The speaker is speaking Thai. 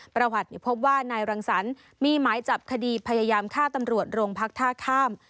ประวัติพบว่านายรังสรรค์มีหมายจับคดีพยายามฆ่าตำรวจโรงพักท่าข้าม